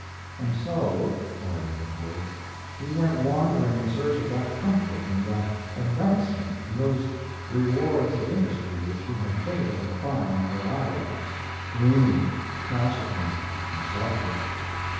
"And so," Orion records, "he went wandering in search of that comfort and that advancement and those rewards of industry which he had failed to find where I was gloomy, taciturn, and selfish.